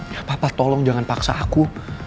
ya papa tolong jangan paksa aku